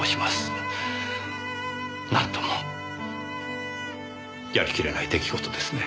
なんともやりきれない出来事ですね。